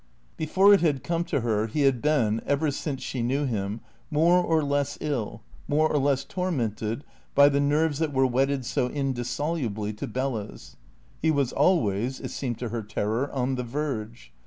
Before it had come to her, he had been, ever since she knew him, more or less ill, more or less tormented by the nerves that were wedded so indissolubly to Bella's. He was always, it seemed to her terror, on the verge.